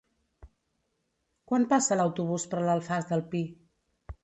Quan passa l'autobús per l'Alfàs del Pi?